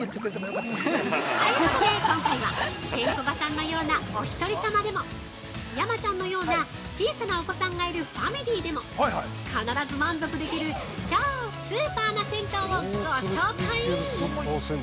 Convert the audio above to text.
◆ということで今回はケンコバさんのようなお１人様でも、山ちゃんのような小さなお子さんがいるファミリーでも、必ず満足できる超スーパーな銭湯をご紹介！